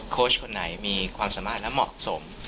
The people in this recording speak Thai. โค้ชคนไหนมีความสามารถและเหมาะสม